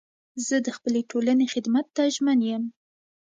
زه د خپلي ټولني خدمت ته ژمن یم.